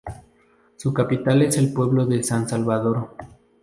Su capital es el pueblo de San Salvador.